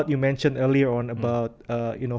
tentang hal yang anda sebutkan sebelumnya